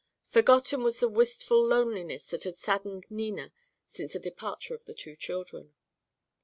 Forgotten was the wistful loneliness that had saddened Nina since the departure of the two children.